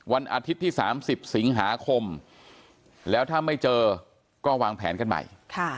วันอาทิตย์ที่๓๐สิงหาคมแล้วถ้าไม่เจอก็วางแผนกันใหม่